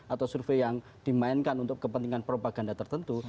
atau survei yang dimainkan untuk kepentingan propaganda tertentu